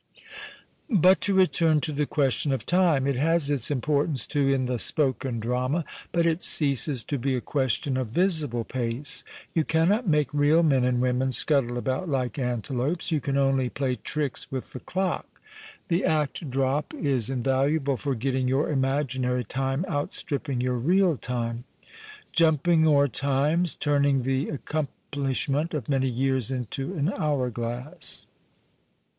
But to return to the question of time. It has its importance, too, in the " spoken drama," but it ceases to be a question of visible pace. You cannot make real men and women scuttle about like ante lopes. You can only play tricks ^vith the clock. The act drop is invaluable for getting your imaginary time outstripping your real time :— jumping oer times, Turning the accomplishment of many years Into an hour glass.